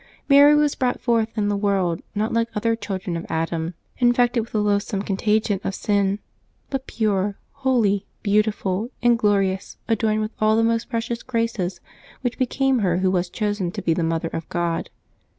Mary was brought forth in the world not like other chil dren of Adam, infected with the loathsome contagion of sin, but pure, holy, beautiful, and glorious, adorned with all the most precious graces which became her who was chosen to be the Mother of God.